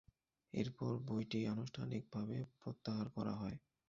এরপর বইটি আনুষ্ঠানিকভাবে প্রত্যাহার করা হয়।